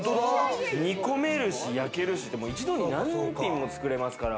煮込めるし、焼けるし、一度に何品も作れますから。